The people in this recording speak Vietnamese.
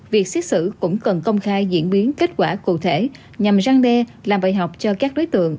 việc xét xử cũng cần công khai diễn biến kết quả cụ thể nhằm răng đe làm bài học cho các đối tượng